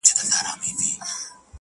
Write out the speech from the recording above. زه لرمه ډېر دولت دا هم علم هم آدب دی-